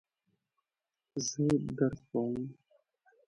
افغانستان د کوچیان د پلوه ځانته ځانګړتیا لري.